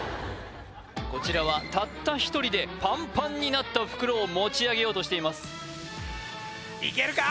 こちらはたった一人でパンパンになった袋を持ち上げようとしていますいけるか？